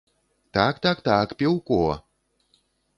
Так, так, так, піўко!